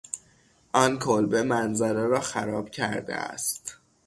آن کلبه منظره را خراب کرده است.